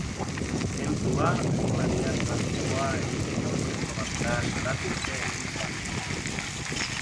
Tenplua animalia-trafikoa egiteko zentro bat dela salatu dute ekintzaileek.